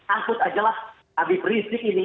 angkut sajalah abis risik ini